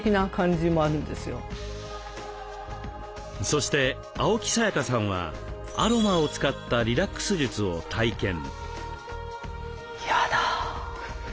そして青木さやかさんはアロマを使ったリラックス術を体験。